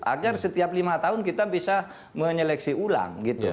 agar setiap lima tahun kita bisa menyeleksi ulang gitu